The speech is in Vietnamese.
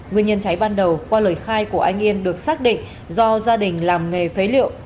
nguyên nhân cháy ban đầu qua lời khai của anh yên được xác định do gia đình làm nghề phế liệu